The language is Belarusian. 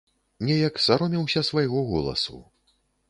Неяк саромеўся свайго голасу.